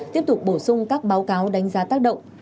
tiếp tục bổ sung các báo cáo đánh giá tác động